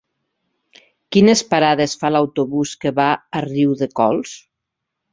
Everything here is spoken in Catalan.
Quines parades fa l'autobús que va a Riudecols?